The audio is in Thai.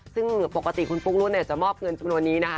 ซึ่งปกติคุณปุ๊กรุ้นจะมอบเงินจำนวนนี้นะคะ